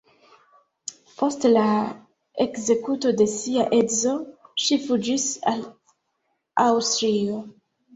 Post la ekzekuto de sia edzo ŝi fuĝis al Aŭstrio.